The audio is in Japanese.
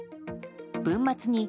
文末に「？」